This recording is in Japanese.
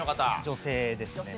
女性ですね。